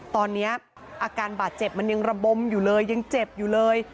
ตอนนี้อาการบาดเจ็บมันยังระบมอยู่เลยยังเจ็บอยู่เลย